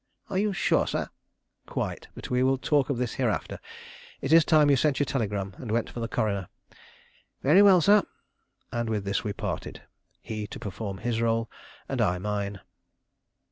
"Are you sure, sir?" "Quite; but we will talk of this hereafter. It is time you sent your telegram, and went for the coroner." "Very well, sir." And with this we parted; he to perform his role and I mine.